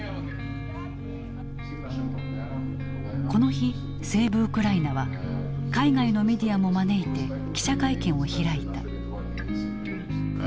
この日セーブ・ウクライナは海外のメディアも招いて記者会見を開いた。